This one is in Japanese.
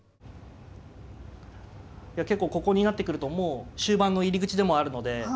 いや結構ここになってくるともう終盤の入り口でもあるので。